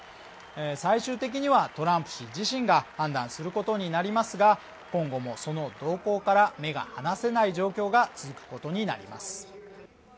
最終的にはトランプ氏自身が判断することになりますが今後もその動向から目が離せない状況が続くことになります。